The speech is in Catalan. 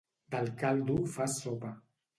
Del caldo fas sopa.